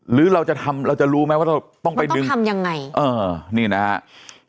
หรือเราจะทำเราจะรู้ไหมว่าเราต้องไปดึงทำยังไงเออนี่นะครับ